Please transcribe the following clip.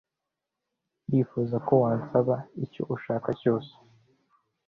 ndifuza ko wansaba icyo ushaka cyose